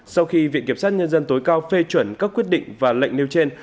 sau khi viện kiểm sát nhân dân tối cao phê chuẩn các quyết định và lệnh nêu trên